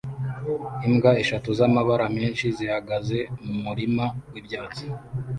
imbwa eshatu zamabara menshi zihagaze mumurima wibyatsi